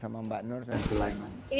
sama mbak nur dan sulaiman